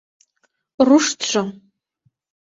Руштшо...